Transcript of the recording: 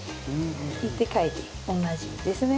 行って帰って同じですね。